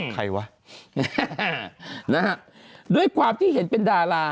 ใครวะนะฮะด้วยความที่เห็นเป็นดารา